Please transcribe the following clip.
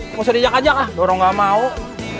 nggak usah diajak ajak lah